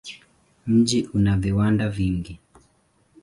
Mji una viwanda vingi.